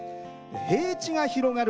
平地が広がる